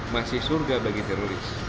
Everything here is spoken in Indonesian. masih surga bagi teroris